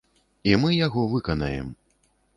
І мы яго выканаем.